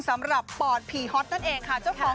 แล้วมีชื่อเสียงมากขึ้น